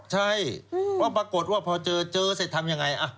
ใช่ถ้าปรากฏว่าพอเจอแล้วเสร็จทำอย่างไร